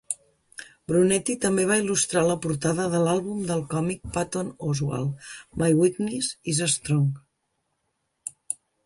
Brunetti també va il·lustrar la portada de l'àlbum del còmic Patton Oswalt, "My Weakness Is Strong".